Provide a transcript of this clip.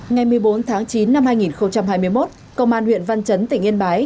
ngày một mươi bốn tháng chín năm hai nghìn hai mươi một công an huyện văn chấn tỉnh yên bái